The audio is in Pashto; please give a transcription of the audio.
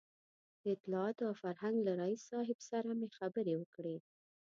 د اطلاعاتو او فرهنګ له رییس صاحب سره مې خبرې وکړې.